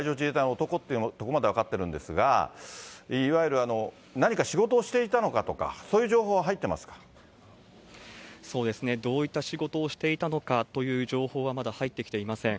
４１歳の元海上自衛隊の男というところまでは分かっているんですが、いわゆる何か仕事をしていたのかとか、そういう情報は入そうですね、どういった仕事をしていたのかという情報は、まだ入ってきていません。